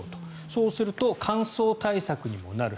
そうすると、乾燥対策にもなる。